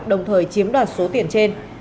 đồng thời chiếm đoạt số tiền trên